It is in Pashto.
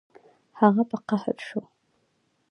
هغه په قهر شو